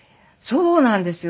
そうなんですよ。